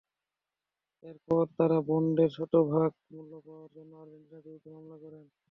এরপর তাঁরা বন্ডের শতভাগ মূল্য পাওয়ার জন্য আর্জেন্টিনার বিরুদ্ধে মামলা করেন।